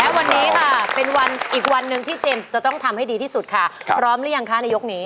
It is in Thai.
ก็ต้องทำให้ดีที่สุดค่ะพร้อมหรือยังคะในยกนี้